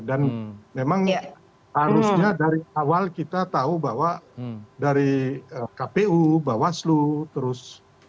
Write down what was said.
dan memang harusnya dari awal kita tahu bahwa dari kpu bawaslu terus